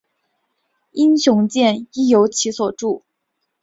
英雄剑亦由其所铸。